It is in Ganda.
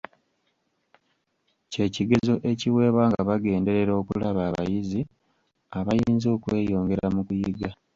Kye kigezo ekiweebwa nga bagenderera okulaba abayizi abayinza okweyongera mu kuyiga.